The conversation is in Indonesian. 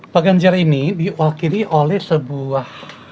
pak ganjar ini diwakili oleh sebuah